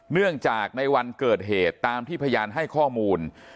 เนื่องจากในวันเกิดเหตุตามที่พยานให้ข้อมูล